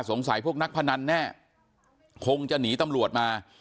พวกนักพนันแน่คงจะหนีตำรวจมา